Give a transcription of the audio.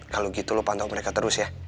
kalau gitu lu pantau mereka terus ya